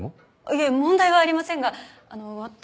いえ問題はありませんが私はその。